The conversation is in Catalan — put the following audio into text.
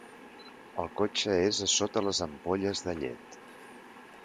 El cotxe és a sota les ampolles de llet.